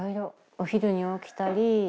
お昼に起きたり。